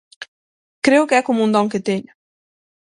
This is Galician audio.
Creo que é como un don que teño.